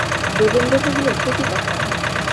যোগেন্দ্র কহিল, সে কী কথা?